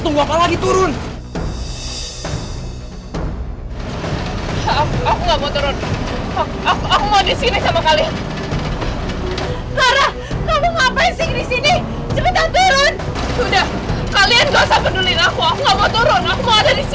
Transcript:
di badan putri ada bom